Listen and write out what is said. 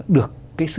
được cái sự